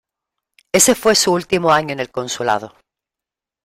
Ese fue su último año en el Consulado.